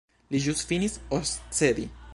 Li ĵus finis oscedi.